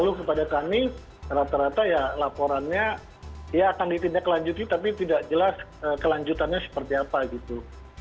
lalu kepada kami rata rata ya laporannya ya akan ditindaklanjuti tapi tidak jelas kelanjutannya seperti apa gitu